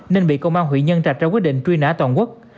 nên bị công an huyện nhân trạch ra quyết định truy nã toàn quốc